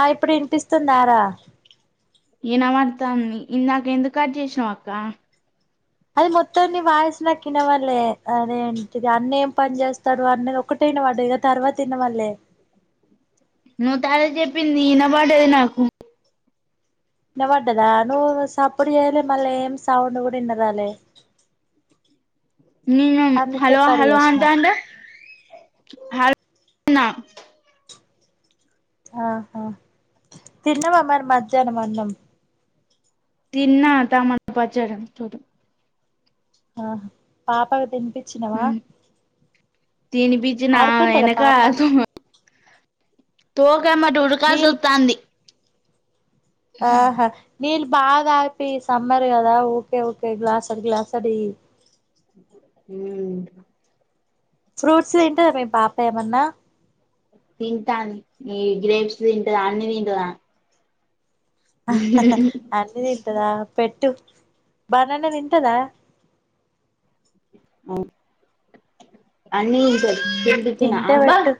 ఆ ఇప్పుడు ఇనిపిస్తుందారా ఇనపడ్తంది ఇందాక ఎందుకు కట్ చేసినావు అక్క అది మొత్తాన్నిీ వాయిస్ నాకు ఇనవాళ్లేే అదేంటిది అన్నేం పని చేస్తారు అన్నది ఒక్కటే వినపడ్డది ఇగ తర్వాత ఇనవాళ్ళే నువ్వు తాల చెప్పింది ఈనపడ్డది నాకు ఇనాబడ్డదా నువ్వు సప్పుడు చేయాలే మళ్ళా ఏం సౌండ్ కూడా ఇన్నరాలె నేను హలో హలో చేసిన అంటంటే హల్ న ఆహా తిన్నవామరి మద్ ధ్యానం అన్నం తిన్నా టమాటా పచ్చడ తోటి ఆహ పాప అయ్యిపొయింది తినిపిచ్చి నా ఆడుకుంటదా ఎనక పాప ఆడుతూ తో పోమ్మ అటుఉడకల్సి నీళ్ళు వత్తాంది ఆహా నీల్ బాగ తాపి సమ్మర్ అదా ఓకే ఓకే గ్లాస్ డ్ గ్లాస్ డ్ ఇయ్యి మ్మ్ ఫ్రూట్స్ తింటాద మీ పాప ఏమన్నా తింటాంది ఈ గ్రేప్స్ తింటది అన్ని తింటదా ఆమె అన్ని తింటాదా పెట్టు బనానే తింటాద అవును అన్నీ తింటాది తినిపిచ్చిన తింటే అబ్బా పెట్టు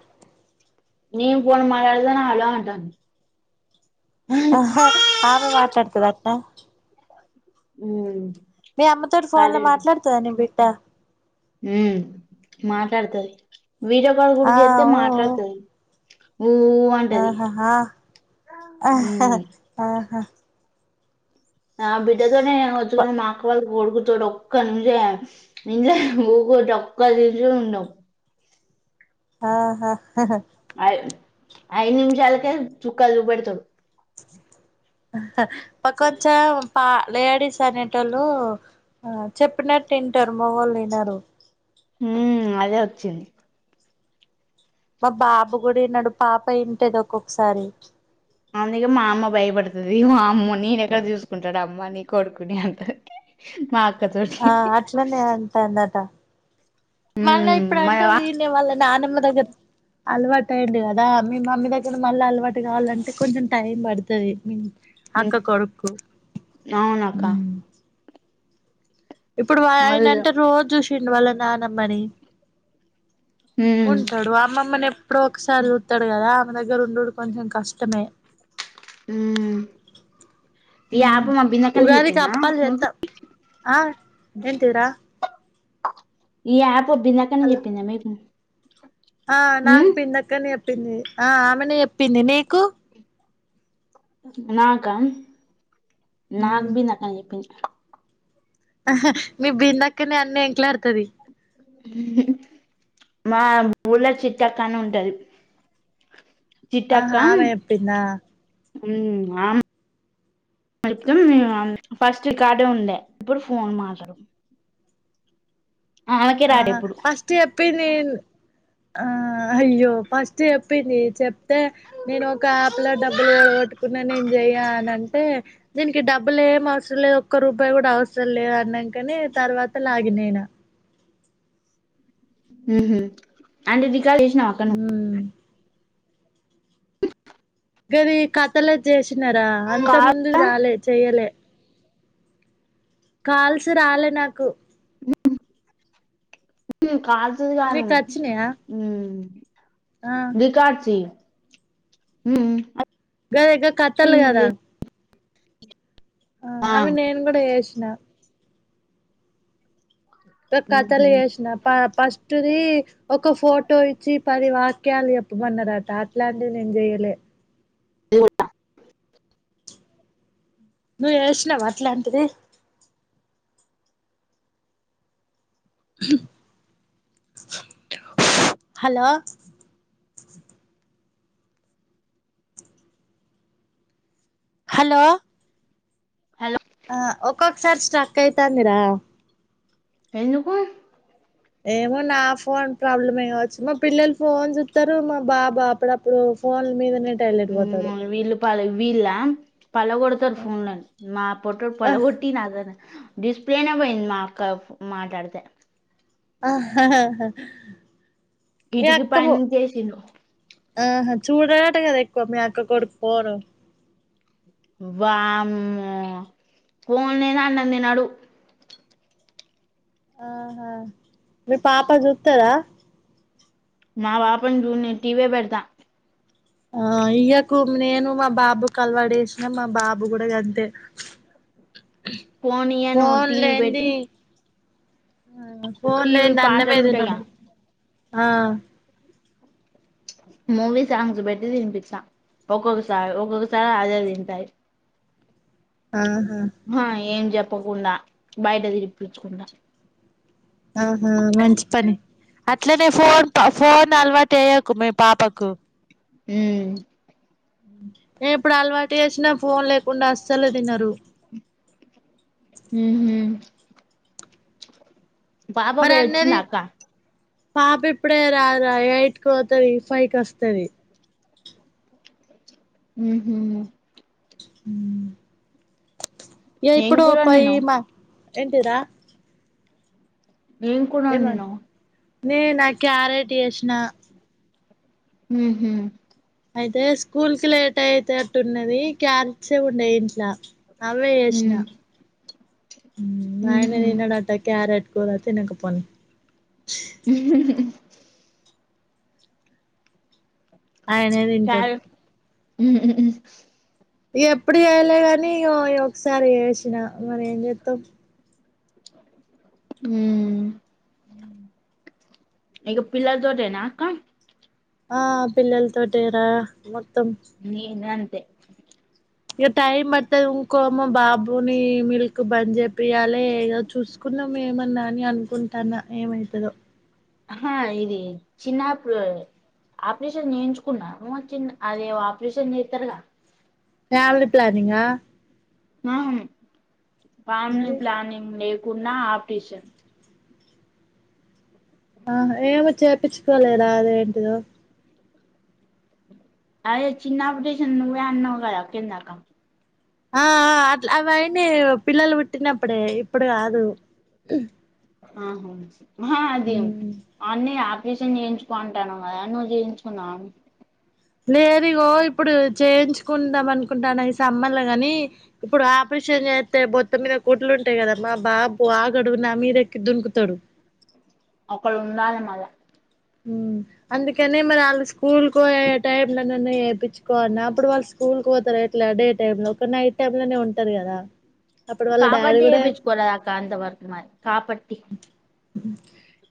నను [unintelligible] ఫన్ మాట్లాడదా అలా అంటాను ఆ ఆమె మాట్లాడుతుద ఆ ఉ మీ అమ్మతోటి ఫోన్ లో మాట్లాడుతాద నీ బి డ్డ మ్మ్ మాట్లాడతాది వీడియో కాల్ గూడ ఆ చేత్తే ఊ ఊ మాట్లాడుతాది ఆహా ఆహా ఉమ్ హ ఆ బిడ్డతోనే ముచ్చు కొని మా అక్క వాళ్ళు కొడుకుతడు ఒక్క నుంచే నిం ఒ [unintelligible] క్క దసే ఉండవు ఆహా హ అయి అయిదు నిమిషాలకే చుక్కలు చూపెడతాడు ఆ పకొచ్చం పా లేడీస్ అనేటళ్ళు ఆ చెప్పినట్టు వింటారు, మాగొళ్ళు వినరు ఉ అదే వచ్చింది మా బాబు కూడా వినడు పాప వింటది ఒక్కొక్కసారి అందుకే మా అమ్మ భయపడుతాది వామ్మె నేనెక్కడ చూసుకుంటాడు అమ్మె ని కొడుకుని అంటాది నాక్ ఆ అట్లనే అంటాందట మళ్ళ ఉమ్ మళ్ళ ఇప్పుడంటే వా వీని వాళ్ళ నానమ్మ దగ్గర అలవాటు అయుండు కదా మీ మమ్మీ దగ్గర మళ్ళీ అలవాటు కావాలంటే కొంచెం టైం పడుతాది అక్క కొడుకు అవునక్క ఇప్పుడు ఆయన అదే అంటే రోజు చూశ్ శిండు వాళ్ళా నానమ్మని. ఉమ్ ఉంటడు. అమ్మమ్మని ఎప్పుడో ఒకసారి చూత్తడు కదా. మన దగ్గర ఉండుడు కొంచెం కష్టమే. హ్ ఈ ఆప్ మా బిందక్కనె ఉగాదికి చెప్పిందా అప్పాలు ముందు చేత్తం ఆ ఏంటిదిరా? ఈ యాప్ పు బిందు అక్కనే హలో చెప్పిందా మీకు. ఆ ఉమ్ నాకు బిందక్కనే చె ప్పింది ఆ ఆమెనె చెప్పింది. నీకు? నాకా నాకు బిందక్కనే చెప్పింది. ఆహా మీ బిందక్కనే అన్ని ఎనుక్లాడు తది. హుహ్ మా ఊల్లె చిట్టక్కా అని ఉంటది. ఆహా ఆమె చెప్పిందా. హ్ ఆ అయితే ఫస్ట్ రికార్డే ఉండే ఇప్పుడు ఫోన్ మాటలు ఆహా ఫస్ట్ చెప్పింది ఆ అయ్యో ఫస్ట్ చెప్పింది చెప్ అయితే నేను ఒక యాప్ లో డబ్బులు పోడగొట్టుకున్నా నేను చెయ్యా అని అంటే దీనికి డబ్బులు ఏం అవసరం లేదు. ఒక్క రూపాయి కూడా అవ సరం లేదు అన్నంకనే తర్వాత లాగినైనా. హుహ్ అంటే నీ ఇన్స్టాల్ చేసినవా అక్కా నువ్వు. ఉమ్ గది కథలది చేశి న్నారా అంత కాల్ ముందుది రాలే చెయ్యలే. కాల్సు రాలే నాకు. హుహ్ కాల్స్ ది కాదు నీకు వచ్చినాయా హ్మ్ ఆ రికార్డ్స్ యి హ్మ్ గదే గా కథల్దే కదా. ఆ ఆమె నేన్ కూడా ఎస్ నా ఉహు [unintelligible] తుది ఒక ఫోటో ఇచ్చి పది వాక్యాలు చెప్పమన్నరట అట్లాంటివి నేను చేయలే ఊట నువ్వు చేసినవ అట్లాంటిది హలో హలో హలో ఆ ఒక్కొక్కసారి స్ట్రక్ అయితాందిరా ఎందుకు ఏమో నా ఫోన్ ప్రాబ్లమే కావచ్చు మా పిల్లలు ఫోన్ చూత్తరు మా బాబు అప్పుడప్పుడు ఫోన్ మీద నె హ్మ్ వీళ్ళు పాలి వీళ్లా పగలగొడతారు ఫోన్లని మా పొట్టోడు పలగొట్టి నాదని డిస్ప్లేనే పోయింది మాకు మాట్లాడితే ఆా కిటికి పై నుంచి వేసిండు చూడగాటగదే పో మీ అక్క కొడుకు ఫోను వామ్మో ఫోన్ లేనిదే అన్నం తినడు ఆహా మీ పాప చూత్తాదా మా పాపను జూడనీయను టీవీ యే పెడ్తా ఆ ఇయ్యకు నేను మా బాబుకు అలవాటు చేసినం మా బాబు కూడా గంతే ఫోన్ ఇయ్యను ఫోన్ టీవి లేంది పెట్టి ఫోన్ టీవీ లేనిదే అన్నమే పాటలు ఉంటాయిగా తినడు ఆ మూవీ సాంగ్స్ బెట్టి తినిపిత్తా ఒక్కొక్కసారి ఒక్కొక్కసారి ఆళ్ళే తింటాయి ఆ హా ఏం చెప్ తప్పకుండా బయట తిరిప్పించుకుండా ఆహా మంచి పని అట్లానే ఫోన్ [unintelligible] ఫోన్ అలవాటేయకు మీ పాపకు హ్మ్ ఇప్పుడు అలవాటు చేసినా ఫోన్ లేకుండా అస్సలు తినరు ఊహూ పాప మరి బోయి వచ్చిందా అన్నది అక్కా పాప ఇప్పుడే రాదా ఎయిట్కి పోతది ఫైవ్ కి వస్తది. ఉహ్మ్. ఊ. ఏ ఏం ఇప్పుడు కూర పోయి వండినవ్ మా. ఎంటిరా? !. ఎం కుడొండినవ్.? ! నేనా! క్యారేట్ యెస్నా. ఉహ్మ్. అయితే స్కూల్ కి లేట్ అయితట్టున్నది క్యారెట్సె ఉండే ఇంట్ల. అవే ఉ యెష్నా. ఊ నయినా ఉహు దినడట క్యారెట్. [unintelligible] తినకపోనీ. ఆయనే దింటాడు. ఉమ్మ్ ఇగెప్పుడు చేయలే గానీ ఇగ [unintelligible] ఒకసారి ఏసినా మరెంజెత్తం. హ్మ్. ఇక పిల్లల్ తోటేనా క్క. ఆ పిల్లల్తోటెరా. నేనన్. తే. ఇగ టైమ్ పడుతది ఇంకో మా బాబుని మిల్క్ బంజె. పియాలే ఇగ చూసుకున్నాం ఏమన్నా అని అనుకుం.. తన్న ఏమైతదో. ఆహా ఇది చిన్నపు ఆపరేషన్ జేయించుకున్నా ఊ చిన్న అదే ఓ ఆపరేషన్ జెత్తరుగా. ఫ్యామిలీ ప్లానింగా. ! ఆహ్మ్. పామ్ని మరి ప్లానింగ్ లేవ్. కున్నా ఆప్టిషన్. ఆహా ఏమో చేపిచ్చుకోలేదా అదేంటిదో. అయ్ చిన్నప్పుటీషన్ నువ్వే అన్నవ్ గదా కిందాక. ఆ ఆ అట్లా అవైన్ని పిల్లలు పుట్టినప్పుడే ఇప్పుడు గాదు. ఆహా. ఆహా అది అన్ని అప్. విసన్ జేయించుకో అంటాన్నవ్ గదా నువ్వు జేయించుకున్నావా. ! లేదు ఈగో ఇప్పుడు చేయించుకుందాం అనుకుంటాన్న ఈ సమ్మల గాని, ఇప్పుడు ఆపరేషన్ జేత్తే బొత్త మీద కుట్లు ఉంటాయి కదామ్మ మా బాబు ఆగడు నా మీదెక్కి దున్కుతడు. ఒకలుండాలె మళ్ళా. ఊ అందుకెనె మరి అళ్ళు స్కూల్కోయె టైమ్ లోనన్న జెపించుకోన్నా అప్పుడు వాళ్ళు. స్కూల్కొతారు ఎట్లా డే టైంలో ఒక నైట్. టేబ్ లోనే ఉంటాది గదా. ! కాపట్టి ఏపిచ్చుకొన అక్క అంతవర్కు మరి కాపాట్టి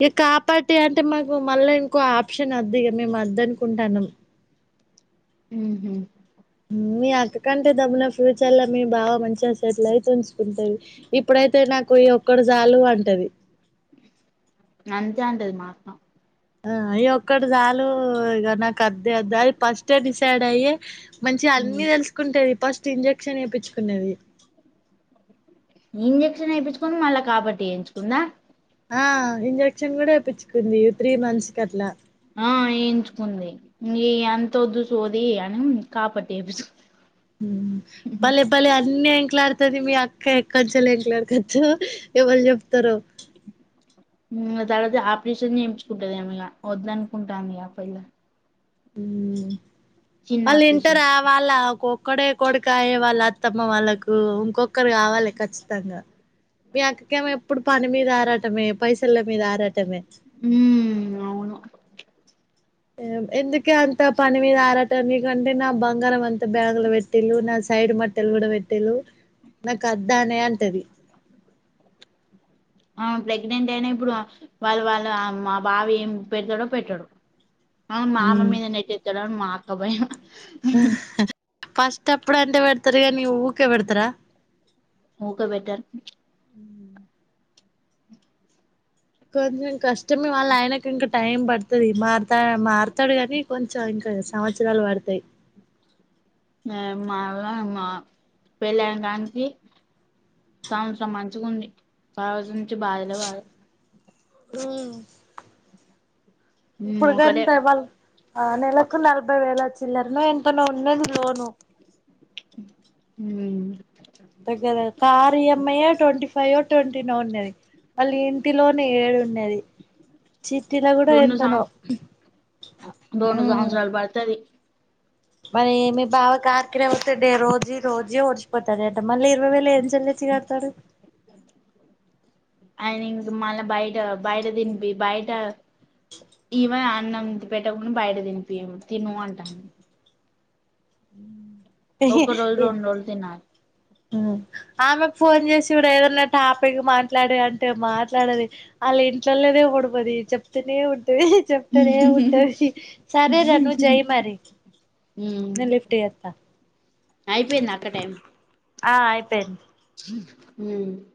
ఎ కాపాట్టి అంటే మ గు మళ్ళా ఇంకో ఆప్షన్ నొద్దిగ మేము వద్దనుకుంటానం. ఉహు మీ అక్క కంటే దబ్ల ఫ్యూచర్ లో మీ బావ మంచిగ సేట్లైతుంచ్ ఉంటది, ఇప్పుడైతే నాక్ కొయ్య ఒక్కడు జాలు అంటది. నంతే అంటది మాక్క ఆ అయ్యొక్కటి చాలు ఇగ నా కద్దే వొద్దని ఫస్టె డిస్ సెడయ్యి మంచియ అన్ని తెలుసుకుంటది ఫస్ట్ ఇంజ క్షన్ ఏపించుకున్నది. ఇంజెక్షన్ ఏపిచ్చుకొని మళ్ళా కాబట్టి ఏయించుకుందా. ఆ ఇంజ క్షన్ కూడ ఏపిచ్చుకుంది. త్రీ మంత్స్కి అట్ల ఆ ఎంచుకుంది, నీయంతొద్దు సోది అని కాపాట్టెపిస్ పలే పలే అ అన్నీ ఎంక్లాడతది మీ అక్క ఎక్కంచలు ఎంక్లాడుకచ్చు ఎవళ్ చెప్తారో. హు ఆతర్వాత ఆపరేషన్ నేపించుకుంటదొ ఏమిగ వద్దనుకుంటాంది అపిల ఉ ఆపరేషన్ వాళ్ళింటరా వాళ్ళా కొ క్కడె కొడుకాయే వాళ్ళ అత్తమ్మ వాళ్ళకు దు ఇంకొక్కరు కావాలె ఖచ్చితంగా, మీ అక్కకేమో ఎప్పుడు పని మీద ఆరాటమే పైసల్ల మీద ఆరాటమే. ఉ అవును. ఏమ్ ఎందుకే అంత పని మీద ఆరాటం నీకంటే నా బంగారం అంతా బ్యాంగ్లొ పెట్టిళ్ళు, నా సైడ్ మట్టెల్ కూడా పెట్టిళ్ళు, నాకాద్దనే అంటది. ఆ ప్రెగ్నెంట్ ఐనా ఇప్పురు వాళ్ళ వాళ్ళ మా బావేం పెడ్తడో, పెట్టడొ అవున్ మామ్మ మీద నెట్టేత్తరొ మా క బయం ఆ ఫస్టప్పుడు అంటే పెడ్తరు గాని ఊకే పెడ్తరా. ముకె బెట్టర్ కొంచెం కష్టమే వాళ్ళ ఆయనకి ఇంకా టైం బడ్తది మారుతా మార్ త్తడు గానీ కొంచెం ఇంకా సంవచ్చరాలు వడ్తయ్. నా మావ్వ మా పెళ్ళైటాంచి, సంవచ్రం మంచిగుంది స రోజు నుంచి బాధలే బ హుం ఉమ్ ఇప్పుడు ఒకటే గంత వాళ్ ఆ నెలకు నలభై వేలు వచ్చి చిల్లర్నె ఎంటున ఉన్నది లోను హుమ్ తగ్గద కారు ఇ అమ్ ఈ యె ట్వంటి ఫైవ్ ట్వంటీ నో ఉన్నది మళ్ళీ ఇంటిలోనే ఏడు అది చట్టిలో కూడ రెండు సం ఎంతనో రెండు సంవత్సరాలు పడుతది మరి నీ బావ కార్కిర వస్త ే రోజు రోజీ ఓడిచిపోతారుదా మళ్ళీ ఇరవై వేలు ఏ చెల్లించి కడతాడు మళ్ళ బయట బయట తినిపి బయట ఇవ అన్నం పెట్టకుండా బయట తినిపి తిను అంటాము ఉ ఒక రోజ్ రోం రోజులు తిన్నా ఆమెకు ఫోన్ చేసిడు ఏదన్నా టాపిక్ మాట్లాడే అంటే మాట్లాడేది వాళ్ళ ఇంట్లోలేదే ఉడిపోది చెప్తనే తె చెప్త్త ఏ ఉంటది సరే రా నువె జెయి మరి లిఫ్ట్ చేత్త అయిపోయింద అక్క టైం ఆ అయిపోయింది ఉ